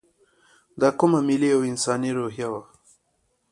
دا کومه ملي او انساني روحیه وه.